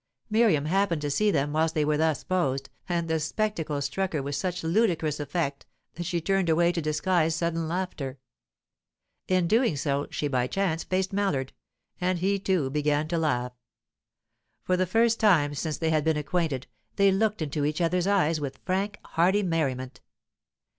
Miriam happened to see them whilst they were thus posed, and the spectacle struck her with such ludicrous effect that she turned away to disguise sudden laughter. In doing so, she by chance faced Mallard, and he too began to laugh. For the first time since they had been acquainted, they looked into each other's eyes with frank, hearty merriment.